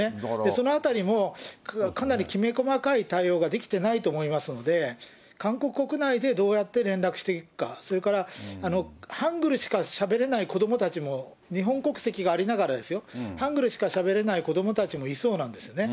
そのあたりも、かなりきめ細かい対応ができてないと思いますので、韓国国内でどうやって連絡していくか、それからハングルしかしゃべれない子どもたちも、日本国籍がありながらですよ、ハングルしかしゃべれない子どもたちもいそうなんですよね。